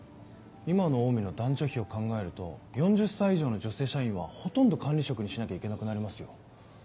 今のオウミの男女比を考えると４０歳以上の女性社員はほとんど管理職にしなきゃいけなくなりますよ。